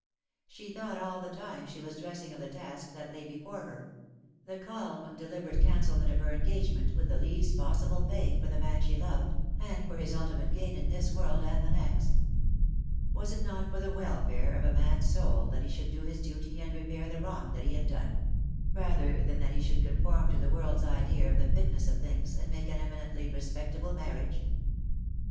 She thought all the time she was dressing of the task that lay before her — the calm deliberate can celment of her engagement, with the least possible pain for the man she loved, and for his ultimate gain in this world and the next. Was it not for the welfare of a man^s soul that he should do his duty and repair the wrong that he had done; rather than that he should conform to the world^s idea of the fitness of things and make an eminently respectable marriage